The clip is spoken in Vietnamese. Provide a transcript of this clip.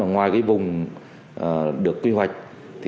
ngoài vùng được quy hoạch